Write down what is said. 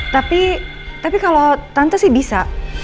tapi tapi kalau tante sih bisa